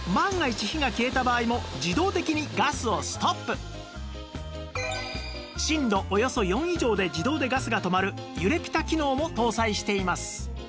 しかも鍋の空だきなどでさらに震度およそ４以上で自動でガスが止まる揺れピタ機能も搭載しています